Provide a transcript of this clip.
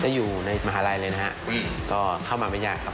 อยู่ในมหาลัยเลยนะฮะก็เข้ามาไม่ยากครับ